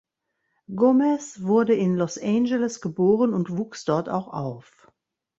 Gomez wurde in Los Angeles geboren und wuchs dort auch auf.